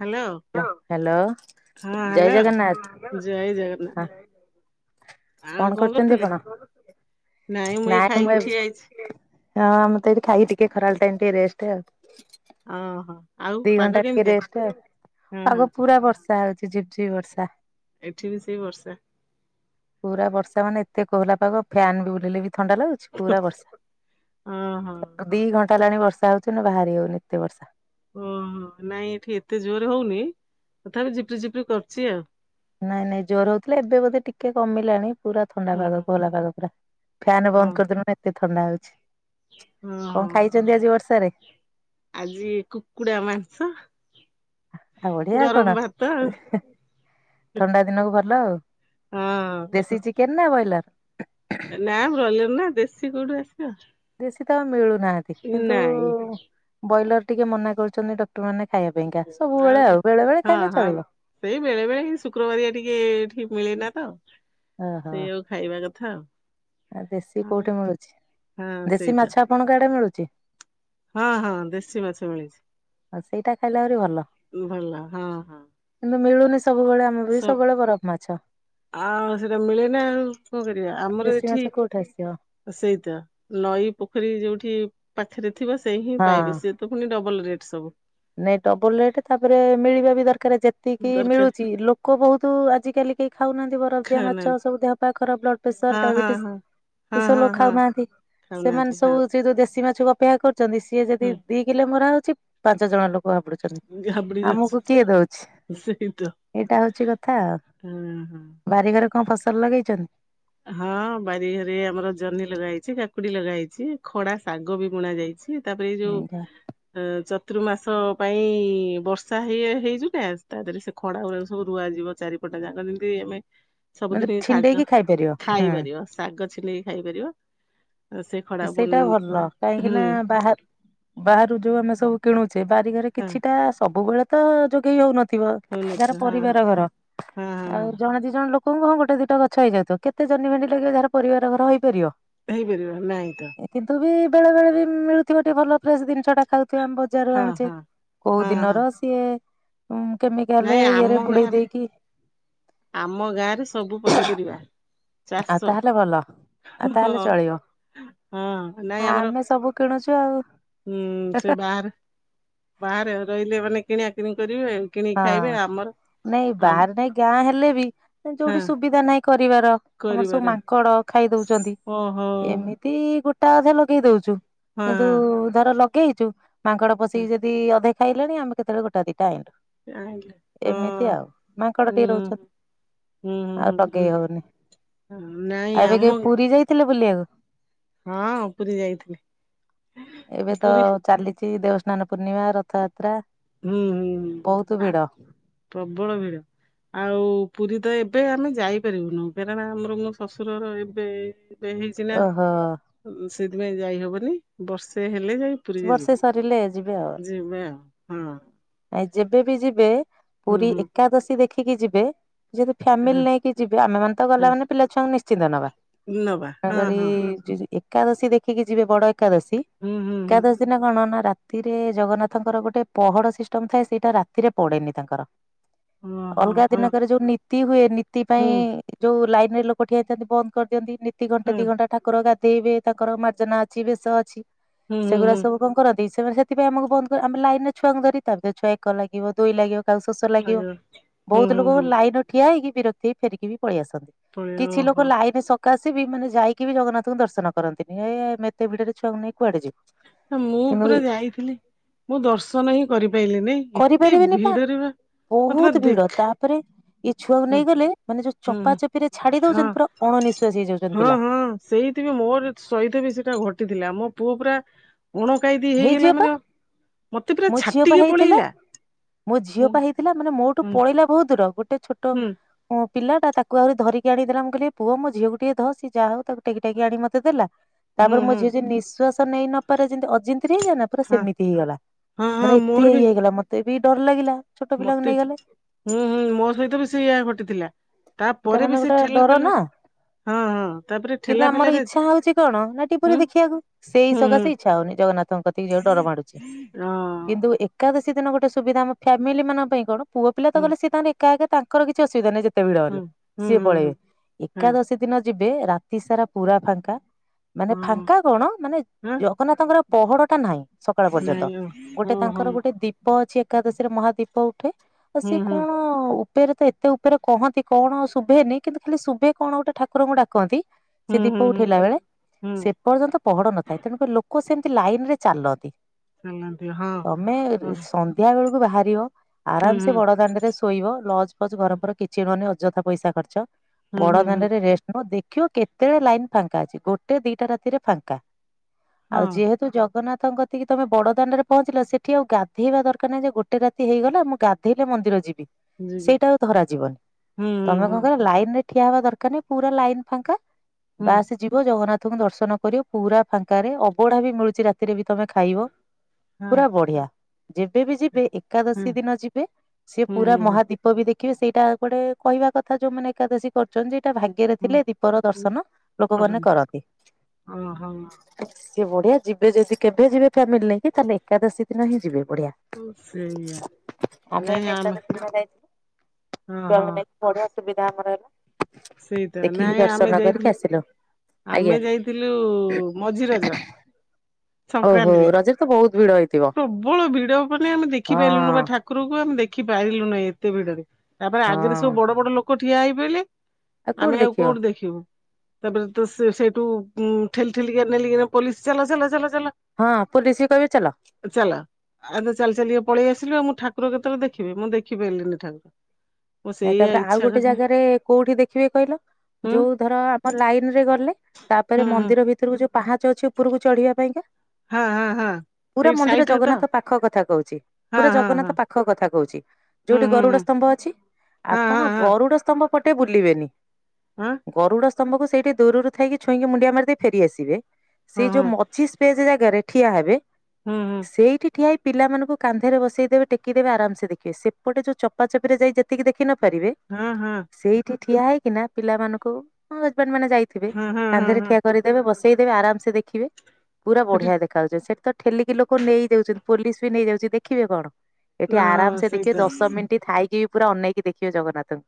Hello hello. ହଁ ଜୟ hello Jagannath ଜୟ ହ। ଜଗନ୍ନାଥ ଆଉ କଣ କରୁଚନ୍ତି କରୁଥିଲେ? ଆପଣ ଏଇ ନାଇଁ ଖାଇକି ମୁଁ ଠିଆ ହେଇଛି ହଁ ଆମେ ତ ଏଠି ଖାଇକି ଟିକେ ଖରାଲ ଟାଇମ ଟିକେ ରେଷ୍ଟ ଆଉ। ଅଁ ହଁ ଆଉ ଦି ଘଣ୍ଟା ପାଗ କେମତି? ଟିକେ ରେଷ୍ଟ ଆଉ ପାଗ ପୁରା ବର୍ଷା ହଉଛି ଝିପ ଝିପି ବର୍ଷା। ଏଠି ବି ସେଇ ବର୍ଷା। ପୁରା ବର୍ଷା ମାନେ ଏତେହଲାାଗ ଫ୍ୟାନ୍ ବି ବୁଲିଲେ ବି ଥଣ୍ଡା ଲାଗୁ ପୁରା ଓହୋ ବର୍ଷା ଦି ଘଣ୍ଟା ହେଲାଣି ବର୍ଷା ହଉଛି ନା ବାହାରି ହଉନି ଏତେ ବର୍ଷା। ଉଁ ହୁଁ ନାଇଁ ଏଠି ଏତେ ଜୋରେ ହଉନି ତଥାପି ଜିପି ଜିପି କରୁଚି ଆଉ। ନାଇଁ ନାଇଁ ଦୋର ହଉଥିଲା ଏବେ ବୋଧେ ଟିକେ କମିଲାଣି ପୁରା ଥଣ୍ଡା ହୁଁ ପାଗ ହୁଁ କୋହଲାପାଗ ପୁରା। ଫ୍ୟାାନ ଅ ବନ୍ଦ କରିଦେଲୁ ନା ଏତେ ଥଣ୍ଡା ହଉଛି। କଣ ହଁ ଖାଇଛନ୍ତି ଆଜି ବର୍ଷାରେ? ଆଜି କୁକୁଡ଼ା ମାଂସ ଆଉ ବଡ଼ିଆ ଆଉ କଣ। ଗରମ ଭାତ ଥଣ୍ଡା ଦିନକୁ ଭଲ ଆଉ ଆଉ ଦେଶୀ ଚିକେନ ନା ବ୍ରଏଲର? ନା ବ୍ରଏଲର ନା ଦେଶୀ କୋଉଠୁ ଆସିବ। ଦେଶୀ ତ ଆଉ ମିଳୁନାହାନ୍ତି କିନ୍ତୁ ନାଇଁ ବ୍ରଏଲର ଟିକେ ମନା କରୁଛନ୍ତି ଡକ୍ଟର ମାନେ ଖାଇବା ପାଇଁକା ସବୁବେଳେ ଆଉ ବେଳେ ବେଳେ ହଁ ଖାଇଲେ ହଁ ଚଳିବ। ସେଇ ବେଳେ ବେଳେ ଶୁକ୍ରବାରିଆ ଟିକେ ଏଠି ମିଳେ ନା ତ। ଓହୋ ସେଇଆକୁ ଖାଇବା କଥା ଆଉ। ଆ ଦେଶୀ ହଁ କୋଉଠି ମିଳୁଛି ହଁ ଦେଶୀ ସେଇଟା ମାଛ ଆପଣଙ୍କ ଆଡ଼େ ମିଳୁଚି? ହଁ ହଁ ଦେଶୀ ମାଛ ମିଳୁଚି। ଆଉ ସେଇଟା ଖାଇଲା ଆହୁରି ଭଲ ଭଲ ହଁ ହଁ। କିନ୍ତୁ ମିଳୁନି ସବୁବେଳେ ମୁଁ ବି ସ ସବୁବେଳେ ବରଫ ମାଛ। ଆଉ ସେଟା ମିଳେ ନା ଆଉ କଁ କରିବା ଆମର ଏଠି ଉଠାସ [inaudible] ସେଇ ତ ନଈ ପୋଖରୀ ଯୋଉଠି ପାଖରେ ଥିବ ସେ ହିଁ ପାଇବେ ହଁ। ସେ ପୁଣି ଡବଲ୍ ରେଟ୍ ସବୁ। ନାଇଁ ଡବଲ୍ ରେଟ୍ ତାପରେ ମିଳିବା ବି ଦରକାର ଯେ ତିକି ଦରକାର ମିଳୁଚି ଲୋକ ବହୁତ ଆଜିକାଲି କେହି ଖାଉନାହାନ୍ତି ବରଫ ଦିଆ ମାଛ ଖାଉନାହାନ୍ତି ସବୁ ଦେହ ପାା ଖରାପ ବ୍ଲଡ଼ ପ୍ରେସର୍ ହଁ ହଁ ଡାଇବେଟିସ୍ ହଁ। ହଁ ଏସବୁ ହଁ ଲୋକ ହଁ ଖାଉନାହାନ୍ତି ଖାଉନାହାନ୍ତି ସେମାନେ ହଁ ସବୁ ସେ ଯୋଉ ଦେଶୀ ମାଛକୁ ଅ ପେକ୍ଷା କରିଚନ୍ତି ସିଏ ହୁଁ ଯଦି ଦି କିଲେ ମରା ହଉଚି ପାଞ୍ଚ ଜଣ [inaudible] ଲୋକ ହାବୁଡୁଚନ୍ତି ଘାବଡି ଯାଉଛୁ ଆମକୁ କିଏ ଦଉଛି ସେଇତ। ଏଇଟା ହଉଚି କଥା ଆଉ ହଁ ହଁ। ବାରିଘରେ କଁ ଫସଲ ଲଗେଇଚନ୍? ହଁ ବାରିଘରେ ଆମର ଜହ୍ନି ଲଗା ହେଇଚି କାକୁଡି ଲଗା ହେଇଚି ଖଡା ଶାଗ ବି ବୁଣା ଯାଇଛି ତାପରେ ଏଇ ଯୋଉ ଅ ଚତୁର୍ମାସ ପାଇଁ ବର୍ଷା ହେଇ ହେଇ ଯିଲା ତା ଦେହରେ ସେ ଖଡା ଗୁଡା ସବୁ ରୁଆଯିବ ଚାରିପଟ ଯାକ ଯେମିତି ଆମେ ମାନେ ଛିଣ୍ଡେଇକି ଖାଇ ପାରିବ। ଖାଇପାରିବ ଶାଗ ଛିଣ୍ଡେଇକି ଖାଇପାରିବ ସେଇଟା ଭଲ କାହିଁକି ନା ବାହା ବାହାରୁ ଯୋଉ ଆମେ ସବୁ କିଣୁଚେ ବାରିଘରେ ହଁ କିଛିଟା ସବୁବେଳେ ତ ଯୋଗେଇ ହଉ ନ ଥିବ ଯାର ହଉନଥିବ ହଁ ହଁ ପରିବାର ଘର ହଁ ହଁ ଆଉ ହଁ ଜଣେ ଦି ଜଣ ଲୋ କଣ ଗୋଟେ ଦିଟା ଗଛ ହେଇଯାଇଥିବ କେତେ ଜହ୍ନି ଭେଣ୍ଡି ଲାଗିବ ଯାହାର ପରିବାର ଘର ହେଇ ପାରିବ। ହେଇପାରିବ ନାଇଁ ତ। କିନ୍ତୁ ବି ବେଳେ ବେଳେ ବି ମିଳୁଥିବ ଟିକେ ଭଲ ଫ୍ରେସ୍ ଜିନିଷ ଟା ଖାଉଥିବା ଆମେ ବଜାରରୁ ହଁ ଆଣୁଚେ ହଁ କୋଉ ହଁ ହଁ ଦିନର ସିଏ ଉଁ ନାଇଁ କେମିକାଲେ ଆମ ଇଏରେ ବୁଡେଇ ଗାଁରେ ଦେଇକି ଆମ ଗାଁ ରେ ସବୁ ପନିପରିବା। ଆଉ ଚାଷ ତାହେଲେ ଭଲ। ଆଉ ହଁ ହଁ ତାହେଲେ ହଁ ଚଳିବ ହଁ ନାଇଁ ଆମର ଆମେ ସବୁ କିଣୁଛୁ ଆଉ ଉଁ ହଁ। ସେ ବାହାରେ ବାହାରେ ରହିଲେ ମାନେ କିଣା କିଣି କରିବେ କିଣିକି ଖାଇବେ ଆମର ନାଇଁ ଆମ ବାରେ ନାଇଁ ଗାଁ ହେଲେ ବି ହଁ ଯୋଉଠି ସୁବିଧା ନାହିଁ କରିବାର ଆମର ସବୁ ମାଙ୍କଡ ଖାଇ ଦଉଚନ୍ତି। ଓ ହୋ। ତି ଗୋଟା ଅଧା ଲଗେଇ ଦଉଚ ହଁ କିନ୍ତୁ ଧର ଲଗେଇଚୁ ମାଙ୍କଡ ପଶିକି ଯ ଦି ଅଧେ ଖାଇଲାଣି ଆମେ କେତବେଳେ ଗୋଟା ଦିଟା ଆଇଁଲୁ। ଆ [inaudible] ଏମିତି ଆଉ ମାଙ୍କଡ ଟିକେ ରହୁଚନ୍ତି ହୁଁ ହୁଁ ଆଉ ହୁଁ ହୁଁ, ଲଗେଇ ହଉନି। ନାଇଁ ଆମ ଥିଲେ ବୁଲିଆକୁ। ହଁ ପୁରୀ ଯାଇଥିଲି ଏବେ ତ ପୁରୀ ଚାଲିଚି [inaudible] ଦେଉ ସ୍ନାନ ପୂର୍ଣ୍ଣିମା ରଥଯାତ୍ରା ହୁଁ ହୁଁ। ବହୁତ ଆ ଭିଡ। ପ୍ରବଳ ଭିଡ। ଆଉ ପୁରୀ ତ ଏବେ ଆମେ ଯାଇପାରିବୁନୁ କାରଣ ଆମର ମୋ ଶ୍ୱଶୁରର ଏବେ ବେ ହେଇଛି ନା ଓହୋ ସେଥିପାଇଁ ଯାଇ ହବନି ବର୍ଷେ ହେଲେ ଯାଇ ପୁରିକି ବର୍ଷେ ସରିଲେ ଯିବା ହଁ। ଏ ଯେବେ ବି ଯିବେ ହଁ ପୁରୀ ହୁଁ ଏକାଦଶୀ ଦେଖିକି ଯିବେ ଯେତୁ ଫ୍ୟାମିଲି ହୁଁ ନେଇକି ଯିବେ ଆମେ ମାନେ ତ ହଁ ଗଲା ମାନେ ପିଲା ଛୁଆଙ୍କୁ ନିଶ୍ଚିନ୍ତ ନବା। ହଁ ନବା ହଁ ତଣକରି ହଁ ଏକାଦଶୀ ଦେଖିକି ଯିବେ ବଡ ଏକାଦଶୀ ହୁଁ ହୁଁ ଏକା ହୁଁ ଦଶି ନା କଣ ନା ରା ରାତିରେ ଜଗନ୍ନାଥଙ୍କର ଗୋଟେ ପହଡ ସିଷ୍ଟମ ଥାଏ ସେଇଟା ରାତିରେ ପଡେନି ତାଙ୍କର। ଓହୋ ଅଲଗା ହଁ ଦିନକରେ ଯୋଉ ନୀତି ହୁଏ ନୀତି ପାଇଁ ହୁଁ ଯୋଉ ଲାଇନ ରେ ଲୋକ ଠିଆଇଥାନ୍ତି ବନ୍ଦ କରିଦିଅନ୍ତି ନିତି ଘଣ୍ଟେ ହଁ ଦି ଘଣ୍ଟା। ଠାକୁର ଗାଧେଇବେ ତାଙ୍କର ମାର୍ଜନା ଅଛି ବେଶ ଅଛି। ହୁଁ ହୁଁ ସେଗୁଡା ହୁଁ ସବୁ କଣ କରନ୍ତି ସେମାନେ ସେଥିାଇଁ ଆମକୁ ବନ୍ଦ କର ଆମେ ଲାଇନ ରେ ଛୁଆଙ୍କୁ ଧରିଥାନ୍ତି ଛୁଆ ଏକ ଲାଗିବ ଦୁଇ ଲାଗିବ କା କୁ ଶୋଷ ଲାଗିବ ଆଜ୍ଞା ହୁଁ ବୋହୁତ ହୁଁ ଲୋକ ହୁଁ ଲାଇନ ଠିଆ ହେଇକି ବିରତି ହେଇ ଫେରିକି ବି ପଳେଇ ଆସନ୍ତି ପଳେଇ କିଛି ଓହୋ ଲୋକ ଲାଇନ ସ କାଶିବି ମାନେ ଯାଇକି ବି ଜଗନ୍ନାଥଙ୍କୁ ଦର୍ଶନ କରନ୍ତିନି ଏ ଏତେ ଭିଡ ରେ ଛୁଆଙ୍କୁ ନେଇକି କୁଆଡେ ଯିବୁ। ମୁଁ କିନ୍ତୁ ପୁରା ଯାଇଥିଲି ମୁଁ ଦର୍ଶନ ହିଁ କରିପାଇଲିିନି ଏତେ ଭିଡରେ ବା ମତେ ବା ବୋହୁତ ଭିଡ ଦେଖ ତାପରେ ଏଇ ଛୁଆକୁ ହୁଁ ନେଇ ଗଲେ ମାନେ ଯୋଉ ହୁଁ ଚପା ହୁଁ, ଚପିରେ ଛାଡି ହଁ ଦଉଛନ୍ତି ପୁରା ଅଣ ନିିଶ୍ୱସି ହେଇଯାଉଛନ୍ତି ପିଲା। ସେଇଥି ବି ମୋର ସହିତ ବି ସେଇଟା ଘଟିଥିଲା ମୋ ପୁଅ ପୁରା ଗୁଣ କାଇ ଦି ହେଇ ଜି ଏପା ମୋ ଝିଅ ପା ଛାଟିକି ହେଇଥିଲା ପଳେଇଲା ମୋ ଝିଅ ମୁଁ ପା ହେଇ ଥିଲା ମାନେ ମୋଠୁ ହୁଁ ପଳେଇଲା ବୋହୁତ ଦୂର ଗୋଟେ ଛୋଟ ହୁଁ ମୋ ପିଲା ତାକୁ ଆଉରି ଧରିକି ଆଣିକିଦେଲା ମୁଁ କଇଲି ଏ ପୁଅ ମୋ ଝିଅକୁଟିକେ ଧ ସି ଯାହା ହଉ ତାକୁ ଟେକି ଟେକି ଆଣି ମତେ ଦେଲା ହୁଁ ତାପରେ ମୋ ହୁଁ ଝିଅ ଯେ ନିଶ୍ୱାସ ନେଇ ନପାରେ ଯେମିତି ଅଜିନ୍ [unintelligible] ପୁରା ହଁ ସେମିତି ହେଇଗଲା ହଁ ମାନେ ହଁ ଏତେ ମୋର ଇଏ ବି ହେଇଗଲା ମତେ ବି ଡର ଲାଗିଲା ଛୋଟ ପିଲାଙ୍କୁ ମତେ ନେଇଗଲେ ହୁଁ ହୁଁ ମୋ ସହିତ ବି ସେୟା ଘଟିଥିଲା। ଏଇଟା ତାପରେ ବି ମାନେ ସେ ଗୋଟେ ଠେଲା ଡର ପେଲା ନା। ହଁ ହଁ ତାପରେ। କିନ୍ତୁ ଠେଲା ଆମର ପେଲାରେ ଇଚ୍ଛା ହଉଛି କଣ ନାଟି ପୁରି ହୁଁ ଦେଖିବାକୁ ସେଇ ହୁଁ ହୁଁ ସକାଶେ ଇଛା ହଉନି ଜଗନ୍ନାଥ ଥ କତିକି ଯିବାକୁ ଡର ମାଡୁଛି ହଁ କିନ୍ତୁ ଏ ଏକାଦଶି ଦିନ ଗୋଟେ ସୁବିଧା ଆମ ଫାମିଲି ମମାନଙ୍କ ପାଇଁ କଣ ପୁଅ ପିଲା ତ ହୁଁ ଗଲେ ସେ ତାଙ୍କ ଏକା ଏକା ତାଙ୍କର କିଛି ଅସୁବିଧା ନାହିଁ ଜେ କେତେ ଭିଡ ହୁଁ ହେଲେ ହୁଁ ସିଏ ହୁଁ ପଳେଇବେ ହୁଁ ଏକାଦଶୀ ଦିନ ଯିବେ ରାତି ସାରା ପୁରା ଫାଙ୍କା ମାନେ ହଁ ହଁ ଫାଙ୍କା କଣ ମାନେ ହଁ ଜଗନ୍ନାଥଙ୍କର ପହଡ ଟା ନାହିଁ। ସକାଳ ପର୍ଯ୍ୟନ୍ତ ନାଇଁ ଗୋଟେ ଓହୋ ତାଙ୍କର ଗୋଟେ ଦୀପ ଦୀପ ଅଛି ଏକାଦଶୀରେ ମହାଦୀପ ଉଠେ ଆଉ ହୁଁ ସିଏ ହୁଁ କଣ ଉପେରେ ତ ଏତେ ଉପରେ କହନ୍ତି କଣ ଶୁଭେନି କିନ୍ତୁ ଖାଲି ଶୁଭେ କଣ ଗୋଟେ ଠାକୁରଙ୍କୁ ଡାକନ୍ତି ସେ ହୁଁ ହୁଁ ଦୀପ ହୁଁ ଉଠେଇଲା ବେଳେ। ହୁଁ ସେ ପର୍ଯ୍ୟନ୍ତ ପହଡ ନଥାଏ ତେଣୁକରି ଲୋକ ସେମିତି ଲାଇନ ରେ ଚାଲନ୍ତି। ଚାଲନ୍ତି ହଁ ତମେ ହଁ ସନ୍ ନ୍ଧ୍ୟା ବେଳକୁ ବାହାରିବ ହୁଁ ଆରାମ ସେ ହୁଁ ବଡ ଦାଣ୍ଡରେ ଶୋଇବ ଲଜ ଫଜ ଘର ଫର କିଛି ନ ନିଅ ଅଯଥା ପଇସା ଖର୍ଚ୍ଚ ହୁଁ ବଡ ହୁଁ ହୁଁ ଦାଣ୍ଡରେ ରେଷ୍ଟ ଦେଖିବ କେତେଳେ ଲାଇନ ଫାଙ୍କା ଅଛି ଗୋଟେ ଦିଟା ରାତିରେ ଫାଙ୍କା। ହଁ ଆଉ ଯେହେତୁ ଜଗନ୍ନାଥଙ୍କ ଯେତିକି ତମେ ବଡ଼ଦାଣ୍ଡରେ ପହଞ୍ଚିଲ ସେଠି ଆଉ ଗାଧେଇବା ଦରକାର ନାହିଁ ଯେ ଗୋଟେ ରାତି ହେଇଗଲା ମୁଁ ଗାଧେଇଲେ ମନ୍ଦିର ଯିବି। ଯିବି ସେଇଟା ଆଉ ଧରା ଯିବନି। ହୁଁ ହୁଁ ତମେକଁ ହୁଁ କହିଲ ଲାଇନ ରେ ଠିଆ ହବା ଦରକାର ନାଇଁ ପୁରା ଲାଇନ ଫାଙ୍କା ହୁଁ ବା ଯିବ ଜଗନ୍ନାଥଙ୍କୁ ଦର୍ଶନ କରିବ ପୁରା ଫାଙ୍କାରେ ଅବଢା ବି ମିଳୁଛି ରାତିରେ ବି ତମେ ଖାଇବ। ହଁ ପୁରା ବଢିଆ, ଯେବେବି ଯିବେ ହୁଁ ଏକାଦଶୀ ଦିନ ଯିବେ। ସେ ହୁଁ ପୁରା ହୁଁ ମହାଦୀପ ବି ଦେଖିବେ ସେଇଟା କୁଆଡେ କହିବା କଥା ଯୋଉମାନେ ଏକାଦଶୀ କରଛନ୍ତି ଯେ ଏଟା ଭାଗ ଗ୍ଯରେ ହୁଁ ଥିଲେ ଦୀପର ହୁଁ ଦର୍ଶନ ଲୋକମାନେ କରନ୍ତି ଓହୋ ସିଏ ବଢିଆ ଯିବେ ଯଦି କେବେ ଯିବେ ଫ୍ୟାମିଲି ନେଇକି ତାହେଲେ ଏକାଦଶୀ ଦିନ ହିଁ ଯିବେ ବଢିଆ। ସେଇଆ ଆମେ ଏବେ ଏକାଦଶୀ ଦିନ ଯାଇଥିଲୁ। ଓହୋ ଛୁଆଙ୍କୁ ନେଇକି ବଢିଆ ସୁବିଧା ଆମର ହେଲା। ସେଇତ ଦେଖିକି ନାଇଁ ଆମେ ଦର୍ଶନ ଯାଇଥିଲୁ କରିକି ଆସିଲୁ। ଆମେ ଆଜ୍ଞା ଯାଇଥିଲୁ ମଝିରଜ। ଓହୋ ସଂକ୍ରାନ୍ତିରେ ରଜରେ ତ ବହୁତ ଭିଡ ହେଇଥିବ ପ୍ରବଳ ଭିଡ ମାନେ ଆମେ ହଁ ଦେଖିପାଇଲୁ ନୁ ବା ଠା କୁରକୁ ଆମେ ଦେଖି ପାରିଲୁ ନାହିଁ ଏତେ ଭିଡରେ ତାପରେ ହଁ ଆଗରେ ସବୁ ବଡ ବଡ ଲୋକ ଠିଆ ହେଇପଇଲେ। ଆମେ କୋଉଠି ଆଉ ଦେଖିବ। କୋଉଠୁ ଦେଖିବୁ ତାପରେ ତ ସେ ସେଠୁ ଠେଲିଠେଲିକା ନେ ପୋଲିସ ଚାଲ ଚାଲ ଚାଲ। ହଁ ପୋଲି ସିଏ କହିବେ ଚାଲ। ଚାଲ। ଆଉ ଚାଲି ଚାଲିିକା ପଳେଇ ଆସିଲି ଆଉମୁଁ ଠାକୁର କେତେବେଳେ ଦେଖିବି ମୁଁ ଦେଖିପାଇଲିନି ଠାକୁର। ମୁଁ ନାଇଁ ସେଇଆ ତାପରେ ଆଉ ଇଚ୍ଛା ଗୋଟେ କରିଥାଏ ଜାଗାରେ କୋଉଠି ଦେଖିବେ କହିଲ ହୁଁ ଯୋଉ ଧର ଆମର ଲାଇନ ରେ ଗଲେ। ହୁଁ ତାପରେ ହୁଁ ମନ୍ଦିର ଭିତରକୁ ଯୋଉ ପାହାଚ ଅଛି ଉପରକୁ ଚଢିବା ପାଇଁକା। ହଁ ହଁ ହଁ। ପୁରା ସେଇଠି ମନ୍ଦିର ସାଇଟରେ ତ ଜଗନ୍ନାଥ ପାଖ କଥା କହୁଛି ହଁ ପୁରା ହଁ ହଁ ଜଗନ୍ନାଥ ପାଖ କଥା କହୁଛି। ହୁଁ ଯୋଉଠି ହୁଁ ହୁଁ ଗରୁଡ ସ୍ତମ୍ଭ ଅଛି ହଁ ଆପଣ ହଁ ଗରୁଡ ସ୍ତମ୍ଭ ପଟେ ବୁଲିବେନି। ଉଁ। ଗରୁଡ଼ ସ୍ତମ୍ଭକୁ ସେଇଠି ଦୂ ରୁରୁ ଥାଇକି ଛୁଇଁକି ମୁଣ୍ଡିଆ ମାରି ଦେଇ ଫେରିଆସିବେ ହଁ ସେଇ ହଁ ହଁ ଯୋଉ ମଛି ଜାଗାରେ ଠିଆ ହେବେ। ହୁଁ ହୁଁ। ସେଇଠି ଠିଆ ହେଇ ପିଲାମାନଙ୍କୁ କାନ୍ଧରେ ବସେଇ ଦେବେ ଟେକିଦେବେ ଆରାମସେ ଦେଖିବ ସେପଟେ ଯୋଉ ଚପା ଚପିରେ ଯାଇ ଯେ ତିକି ଦେଖିନ ପାରିବେ ହଁ ହଁ। ସେଇଠି ଠିଆ ହେଇକିନା ପିଲାମାନଙ୍କୁ ହଜବେଣ୍ଡ ମାନେ ଯାଇଥିବେ ହଁ ହଁ ହଁ କାନ୍ଧରେ ହଁ ଠିଆ କରି ଦେବେ ବସେଇଦେବେ ଆରାମସେ ଦେଖିବେ ପୁରା ସେଠି ବଢିଆ ଦେ ଖା ଉଚୀ ସେଠି ତ ଠେଲିକି ଲୋକ ନେଇଯାଉଛନ୍ତି ପୋଲିସ ବି ନେଇଯା ଉଚି ଦେଖିବେ କଣ? ଏଠି ଆରାମ ହଁ ସେ ଦେଖିବେ ସେଇତ। ଦଶ ମିନିଟ୍ ଥାଇକି ବି ପୁରା ଅନେଇକି ଦେଖିବେ ଜଗନ୍ନାଥଙ୍କୁ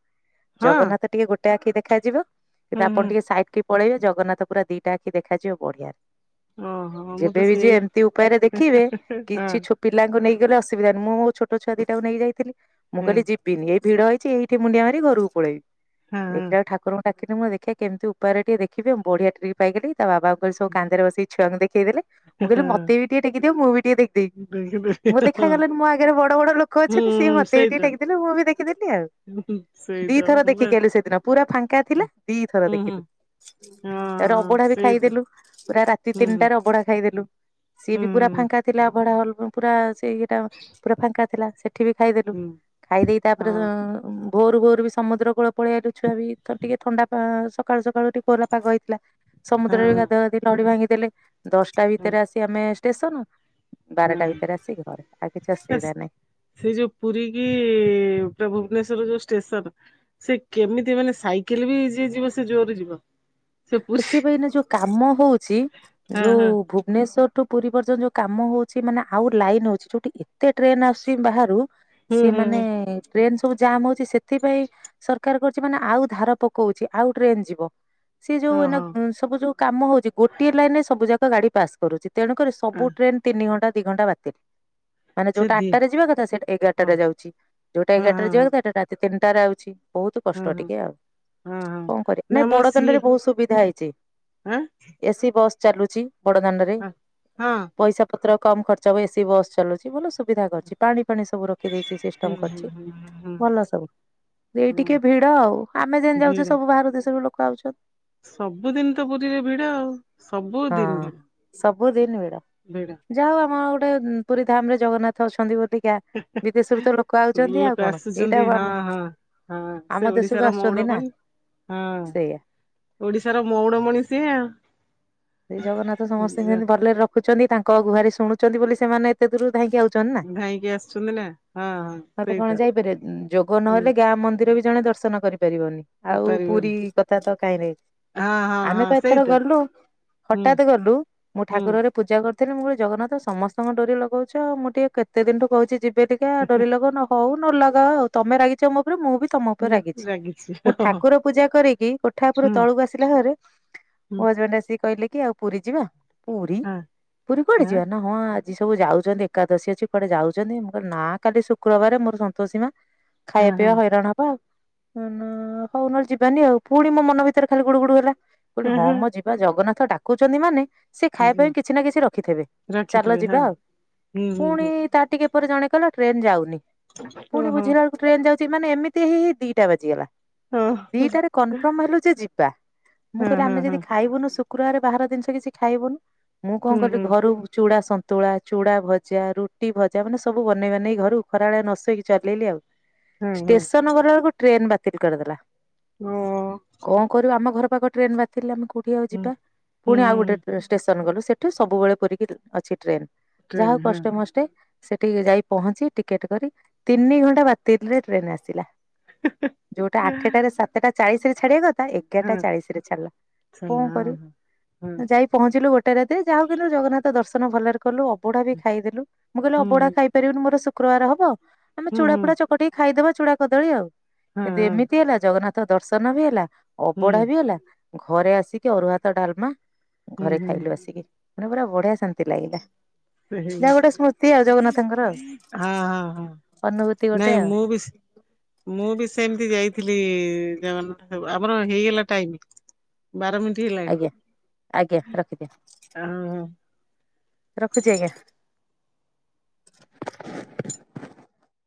ହଁ ଜଗନ୍ନାଥ ଟିକେ ଗୋ ଟେ ଆଖି ଦେଖାଯିବ କିନ୍ତୁ ହୁଁ ଆପଣ ହୁଁ ଟିକେ ସାଇଟ୍ କି ପଳେଇବେ ଜଗନ୍ନାଥ ପୁରା ଦିଟା ଆଖି ଦେଖାଯିବ ବଢିଆରେ। ଓହୋ ମୁଁ ତ ଯେବେବି ଯିବେ ସେଇ ଏମିତି ଉପାୟରେ ଦେଖିବେ ହଁ କିଛି ଛୋ ପିଲାଙ୍କୁ ନେଇଗଲେ ଅସୁବିଧା ନି ମୁଁ ମୋ ଛୋଟଛୁଆଦିଟା କୁ ନେଇ ଯାଇଥିଲି ମୁଁ ହଁ କହିଲିି ଯି ଏଇ ଭିଡ ହେଇଛି ଏଇଠି ମୁଣ୍ଡିଆ ମାରି ଘରକୁ ପଳେଇବି ହଁ ଦେଖିଲା ଠାକୁରଙ୍କ ଡାକିଲି ମୁଁ ଦେଖିଆ କେମିତି ଉପାୟରେ ଟିକେ ଦେଖିବି ମୁ ବଢିଆ ଟ୍ରିଇ ପାଇଗଲି ତା ବାବାଙ୍କ ସବୁ କାନ୍ଦରେ ବସେଇ ଛୁଆଙ୍କୁ ଦେଖେଇ ଦେଲେ। ମୁଁ କହିଲି ହଁ ମତେବି ଟିକେ ଟେକିଦିଅ ମୁଁ ବି ଟିକେ ଦେଖିଦେବି। ଦେଖିଲି ମୁଁ ଦେଖା ହଁ ଗଲାନି ମୋ ଆଗରେ ବଡ ବଡ ଲୋକ ଅଛନ୍ତି ସିଏ ହୁଁ ମତେ ବି ଟିକେ ଟେକି ଦେଲେ ମୁଁ ବି ଦେଖିଦେଲି ଆଉ। [unintelligible] ସେ ଦିଥର ଦେଖିକି ଆଇଲୁ ସେଦିନ ପୁରା ଫାଙ୍କା ଥିଲା ଦିଥର ହୁଁ ହୁଁ ଦେଖିଲୁ। ହଁ ତାରେ ହଁ ଅବଢା ବି ସେଇତ ଖାଇଦେଲୁ ପୁରା ରାତି ହୁଁ ହୁଁ ତିନିଟାରେ ଅବଢା ଖାଇଦେଲୁ। ସିଏ ହୁଁ ବି ପୁରା ଫାଙ୍କା ଥିଲା ଅଭଡା ହଲ ପୁରା ସେ ଇଏଟା ପୁରା ଫାଙ୍କା ଥିଲା ସେଠି ବି ଖାଇଦେ ହୁଁ ଖାଇ ଦେଇ ହୁଁ ତାପରେ ହଁ ଭୋରୁ ଭୋରୁ ବି ସମୁଦ୍ର କୂଳ ପଳେଇ ଆଇଲୁ ଛୁଆ ବି ଟିକେ ଥଣ୍ଡା ସକାଳୁ ସକାଳୁ ଟିକେ କୋଲା ପାଗ ହେଇଥିଲା। ସମୁଦ୍ରରେ ବି ହଁ ଗାଧୁ ଗାଧି ଲଢଡି ଭାଙ୍ଗିଦେଲେ ଦଶଟା ହଁ ଭିତରେ ଆସି ଆମେ ଷ୍ଟେସନ ବାରଟା ହଁ ଭିତରେ ଆସିିକି ଘରେ ଆଉ କିଛି ଅସୁବିଧା ନାହିଁ। ସେଇ ଯୋଉ ପୁରୀ କି ପୁରା ଭୁବନେଶ୍ଵର ଯୋଉ ଷ୍ଟେସନ। ସେ କେମିତି ମାନେ ସାଇକେଲ ବି ଯିଏ ଯିବ ସେ ଜୋରରେ ଯିବ। ସେ ପୁରୀ ସିଏ ବା ଏଇନା ଯୋଉ କାମ ହଉଛି ହଁ ଯୋଉ ହଁ ଭୁବନେଶ୍ଵରଠୁ ପୁରୀ ପର୍ଯ୍ୟନ୍ତ ଯୋଉ କାମ ହଉଛି ମାନେ ଆଉ ଲାଇନ ହଉଛି ଯୋଉଠି ଏତେ ଟ୍ରେନ ଆସୁଛି ବାହାରୁ ହୁଁ ହୁଁ ସିଏମାନେ ଟ୍ରେନ ସବୁ ଜାମ୍ ହଉଛି ସେଥିପାଇଁ ସରକାର କରୁଛି ମାନେ ଆଉ ଧାର ପକଉଛି ଆଉ ଟ୍ରେନ ଯିବ। ସେ ହଁ ଯୋଉ ହଁ ସବୁ ଯୋଉ କାମ ହଉଛି ଗୋଏ ଲାଇନ ରେ ସବୁ ଯାକ ଗାଡି ପାସ୍ କରୁଛି ତେଣୁକରି ହଁ ସବୁ ଟ୍ରେନ ତିନି ଘଣ୍ଟା ଦି ଘଣ୍ଟା ବାତିଲ। ମାନେ ସେ ଯୋଉଟା ଦି ଆଠଟାରେ ଯିବା କଥା ସେ ହଁ ଏଗାରଟାରେ ଯାଉଛି ଯୋଉଟା ହଁ ଏଗାରଟାରେ ଯିବା ହଁ କଥା ସେଟା ରାତିନିଟାରେ ଆଉଛି। ବହୁତ ହଁ କଷ୍ଟ ହଁ ଟିକେ ଆଉ ହଁ ହଁ ହଁ କଣ କରିବା ନା ନାଇଁ ମ ବଡ ବ ସିଏ ଦାଣ୍ଡରେ ବହୁତ ସୁବିଧା ହେଇଛି ଆଁ ଏସି ବସ୍ ଚାଲୁଛି ବଡ ଦାଣ୍ଡରେ ହ ହଁ। ପଇସା ପତ୍ର କମ ଖର୍ଚ୍ଚ ଏ ସସି ବସ୍ ଚଲୁଛି ଭଲ ସୁବିଧା କରୁଛି ପାଣି ପାଣି ସବୁ ରଖ ଦେଇଛି ହୁଁ ସିଷ୍ଟମ ହୁଁ କରିଛି ହୁଁ ହୁଁ ଭଲ ସବୁ। ଏଇ ହୁଁ ଟିକେ ଭିଡ ଆଉ ଆମେ ଯେନ୍ ଯାଉଛେ ଭିଡ ସବୁ ବାହାର ଦେଶରୁ ଲୋକ ଆଉଛନ୍ତି। ସବୁଦିନ ତ ପୁରୀରେ ଭିଡ ଆଉ ସବୁ ଦିନ ହଁ। ଭିଡ। ସବୁଦିନ ଭିଡ଼। ଭିଡ଼। ଯାହା ହଉ ଆମର ଗୋଟେ ପୁରୀ ଧାମ ରେ ଜଗନ୍ନାଥ ଅଛନ୍ତି ଅଧିକା। ବିଦେଶରୁ ତ ଲୋକ ଆଉଛନ୍ତି ଆଉ ଲୋକ କଣ ଏଇଟା ଆସୁଛନ୍ତି ହଁ ଆମ ହଁ ହଁ ସେ ଆମ ଓଡିଶାର ଦେଶକୁ ଆସୁଛନ୍ତି ନା। ମଉଡମଣି ହଁ ସେଇଆ। ଓଡିଶାର ମଉଣ ମଣି ଷିଏ। ସେ ଜଗନ୍ନାଥ ସମସ୍ତଙ୍କୁ ସେମିତି ଭଲରେ ରଖୁଛନ୍ତି ତାଙ୍କ ଗୁହାରି ଶୁଣୁଛନ୍ତି ବୋଲି ସେମାନେ ଏତେ ଦୂରୁ ଧାଁଇଁକି ଆ ନା ନ ଧାଇଁକି ଆସୁଛନ୍ତି ନା ହଁ ହଁ ହେଲେ କଣ ସେଇଟା ଯାଇପାରେ ଯୋଗ ହୁଁ ନହେଲେ ଗାଁ ମନ୍ଦିର ବି ଜଣେ ଦର୍ଶନ କରିପାରିବନି ଆଉ ପାରିବନି ପୁରୀ କଥା ତ କାହିଁରେ। ହଁ ହଁ ଆମେ ହଁ ତ ଏଥର ସେଇଟା ଗଲୁ ହୁଁ ହଠାତ ଗଲୁ ମୁଁ ହୁଁ ଠାକୁର ଘରେ ପୂଜା କରିଥିଲି ମୁଁ କହିଲି ଜଗନ୍ନାଥ ସମସ୍ତଙ୍କ ଡୋରି ଲଗଉଛ ମୁଁଟିକେ କେତେ ଦିନଠୁ କହୁଛି ଯିବି ଏବେ ଟିକେ ଡରି ଲଗଉନ ହଉ ନ ଲଗା ଆଉ ତମେ ରାଗି ମ ଉପରେ ମୁଁ ବି ତମ ଉପରେ ରାଗିଛି ମୁଁ ହଁ ହଁ ଠାକୁର ପୂଜା କରିକି କୋଠା ଉପରୁ ହୁଁ ତଳକୁ ଆସି [unintelligible] ହୁଁ ମୋ ହଜବେଣ୍ଡ ଆସିକି କହିଲେ କି ଆଉ ପୁରୀ ଯିବା। ପୁରୀ ହଁ ପୁରୀ କୁଆଡେ ଯିବା ନା। ହଁ ଆଜି ସବୁ ଯାଉଛନ୍ତି ଏକାଦଶୀ ଅଛି କୁଆଡେ ଯାଉଛନ୍ତି ମୁଁ କହିଲି ନା କାଲି ଶୁକ୍ରବାର ମୋର ସନ୍ତୋଷୀମା ହଁ ଖାଇବା ହଁ ପିଇବା ହଇରାଣ ହବା ଆଉ। ହ ହଉ ନହେଲେ ଯିବାନି ଆଉ ପୁଣି ମୋ ମନ ଭିତରେ ଖାଲି ଗୁଡୁ ଗୁଡୁ ହେଲା କହିଲି ହଁ ମଁ ଯିବା ଜଗନ୍ନାଥ ଡାକୁଛନ୍ତି ମାନେ ସେ ଖାଇବା ଜି ପାଇଁ କିଛି ନା କିଛି ରଖିଥିବବେ ଚାଲ ରଖିଥିବେ ହଁ ଯିବା ଆଉ ହୁଁ ହୁଁ ପୁଣି ହୁଁ ତା ଟିକେ ପରେ ଜଣେ କହିଲ ଟ୍ରେନ ଯାଉନି ପୁଣି ଓହୋ ବୁଝିଲା ବେଳକୁ ଟ୍ରେନ ଯାଉଛି ମାନେ ଏମିତି ହେଇ ହେଇ ଦିଟା ବାଜିଗଲା। ଓ ଦିଟାରେ କନଫର୍ମ ହେଲୁ ଯେ ଯିବା ମୁଁ ହଁ କହିଲି ହଁ ଆମେ ହଁ ଯଦି ଖାଇବୁନୁ ସୁ କୁକୁରରେ ବାହାର ଜିନିଷ କିଛି ଖାଇବନି ମୁଁ କଣ ହୁଁ କଲିି ହୁଁ ଘରୁ ଚୁଡା ସ ତୁଳା ଚୁଡା ଭଜା ରୁଟି ଭଜା ମାନେ ସବୁ ବନେଇ ବାନେଇ ଘରୁ ଖରାବେଳେ ନ ଶୋଇକି ଚଲେଇଲି ଆଉ। ହଁ ହଁ ଷ୍ଟେସନ ଗଲା ବେଳକୁ ଟ୍ରେନ ବାତିଲ କରିଦେଲା ଅ କଣ କରିବୁ ଆମ ଘର ପାଖ ଟ୍ରେନ ବାତିିଲେ ଆମେ କୋଉଠି ଆଉ ହୁଁ ଯିବା ହୁଁ ପୁଣି ଆଉ ଗୋଟେ ହୁଁ ଷ୍ଟେସନ ଗଲୁ ସେଠୁ ସବୁବେଳେ ପରିକି ଅଛି ଟ୍ରେନ୍ ଯାହା ଟ୍ରେନ୍ ହଉ ହଁ କଷ୍ଟେ ମଷ୍ଟେ ସେଠିକି ଯାଇ ପହଞ୍ଚି ଟିକେଟ କରି ତିନି ଘଣ୍ଟା ବାତିଲରେ ଟ୍ରେନ ଆସିଲା ଯୋଉଟା ଆଠେଟାରେ ସାତେଟା ଚାଳିଶିରେ ଛାଡିବା କଥା ତା ଏଗାରଟା ହଁ ଚାଳିଶିରେ ଛାଡିଲା କଁ ଚାଲିଲା କରିବୁ। ଓହୋ ହଁ ତ ଯାଇ ପହଞ୍ଚିଲୁ ଗୋଟେ ରାତିରେ ଯା ହଉ କିନ୍ତୁ ଜଗନ୍ନାଥ ଦର୍ଶନ ଭଲେରେ କଲୁ ଅବଢା ବି ଖାଇଦେଲୁ ମୁଁ କଇଲି ହୁଁ ଅବଢା ଖାଇପାରିବିନି ମୋର ଶୁକ୍ରୁବାରେ ହବ। ଆମେ ହୁଁ ଚୁଡା ହୁଁ ଫୁଡା ଚକଟିକି ଖାଇଦବା ଚୁଡା କଦଳୀ ଆଉ ହଁ କିନ୍ତୁ ହଁ ଏମିତି ହେଲା ଜଗନ୍ନାଥ ଥ ଦର୍ଶନ ବି ହେଲା ହୁଁ ଅବଢା ବି ହେଲା ଘରେ ଆସିକି ଅରୁଆ ହାତ ଡାଲମା ହୁଁ ଘରେ ହୁଁ ଖାଇଲୁ ଆସିକି ମାନେ ପୁରା ବଢିଆ ଶାନ୍ତି ଲାଗିଲା ସେଇ ଯା ହଉ ଗୋଟେ ସ୍ମୃତି ଆଉ ଜଗନ୍ନାଥଙ୍କର ହଁ ହଁ ହଁ ଆଉ ଅନୁଭୂତି ଗୋଟେ ନାଇଁ ଆଉ। ମୁଁ ବି ମୁଁ ବି ସେମତି ଯାଇଥିଲି ଜଗନ୍ନା [unintelligible] ଆମର ହେଇଗଲା ଟାଇମି ବାର ମିଣ୍ଟିି ହେଲାଣି ଆଜ୍ଞା ଆଜ୍ଞା ରଖିଦିଅ ଆହ ହ ରଖୁଚି ଆଜ୍ଞା